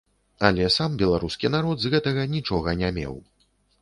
Але сам беларускі народ з гэтага нічога не меў.